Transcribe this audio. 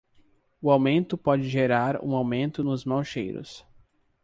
O aumento pode gerar um aumento nos maus cheiros.